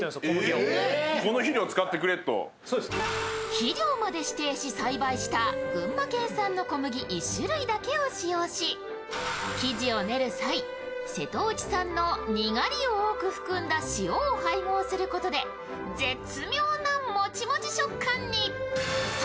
肥料まで指定し栽培した群馬県産の小麦１種類だけを使用し生地を練る際、瀬戸内産のにがりを多く含んだ塩を配合することで絶妙なモチモチ食感に。